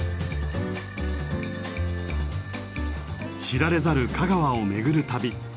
知られざる香川を巡る旅。